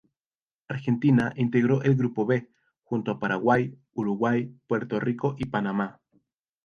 Argentina integró el Grupo "B", junto a Paraguay, Uruguay, Puerto Rico, y Panamá.